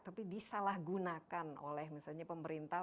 tapi disalahgunakan oleh misalnya pemerintah